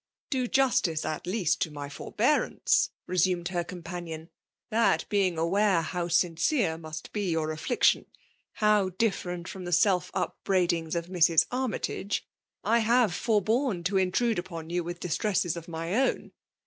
•^ Do justice^ at leasts to my forbeanmee/* xeaamed her companion; " that, being aware how sincere must be your affliction, how dif* fereht from the self upbraidings of Mrs. Army lage, — I have forborne to intrude upon yoa with distresses of my own.